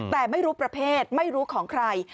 แต่ไม่รู้ประเภทไม่รู้ของใคร